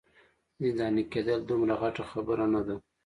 زنداني کیدل دومره غټه خبره نه ده.